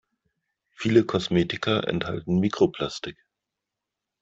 Viele Kosmetika enthalten Mikroplastik.